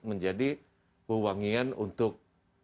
menjadi wawangian untuk